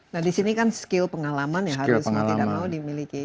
nah di sini kan skill pengalaman ya harus mau tidak mau dimiliki